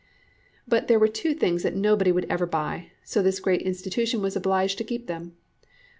But there were two things that nobody would ever buy, so this great institution was obliged to keep them.